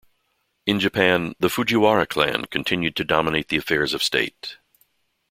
In Japan, the Fujiwara clan continued to dominate the affairs of state.